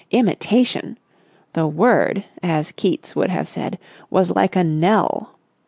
Imitation...! The word, as Keats would have said, was like a knell!